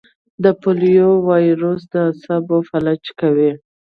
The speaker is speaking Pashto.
د پولیو وایرس د اعصابو فلج کوي.